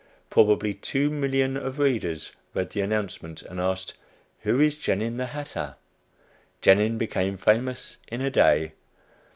Probably two millions of readers read the announcement, and asked, "Who is Genin, the hatter?" Genin became famous in a day.